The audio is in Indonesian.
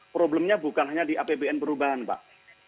problemnya bukan hanya di apbn perubahan pak